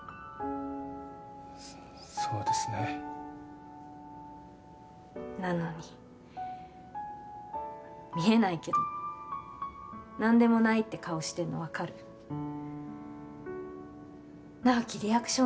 そうですねなのに見えないけど何でもないって顔してんの分かる直木リアクション